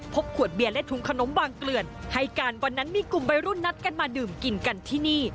ขวดเบียร์และถุงขนมวางเกลือนให้การวันนั้นมีกลุ่มวัยรุ่นนัดกันมาดื่มกินกันที่นี่